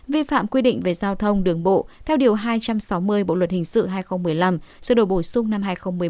vi phạm quy định về giao thông đường bộ theo điều hai trăm sáu mươi bộ luật hình sự hai nghìn một mươi năm sự đổi bổ sung năm hai nghìn một mươi bốn